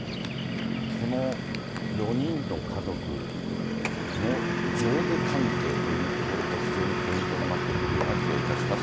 この４人の家族の上下関係というところも非常にポイントになってくるような気がいたします。